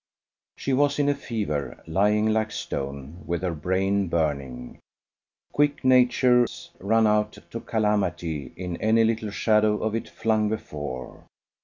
She was in a fever, lying like stone, with her brain burning. Quick natures run out to calamity in any little shadow of it flung before.